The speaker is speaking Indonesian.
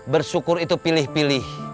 bersyukur itu pilih pilih